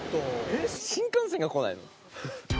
えっ新幹線が来ないの？